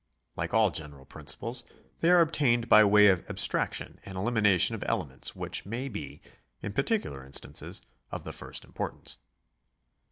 Like all general principles they are obtained by way of abstraction and elimination of elements which may be, in particular instances, of the first importance.